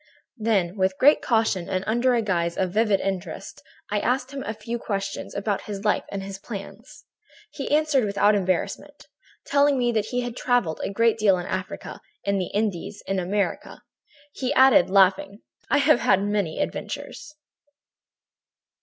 "Then, with great caution and under the guise of a vivid interest, I asked him a few questions about his life and his plans. He answered without embarrassment, telling me that he had travelled a great deal in Africa, in the Indies, in America. He added, laughing: "'I have had many adventures.'